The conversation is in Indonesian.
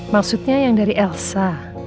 maksudnya yang dari elsa